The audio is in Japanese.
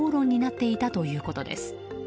口論になっていたということです。